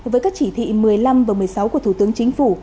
với các chỉ thị một mươi năm và một mươi sáu của thủ tướng chính phủ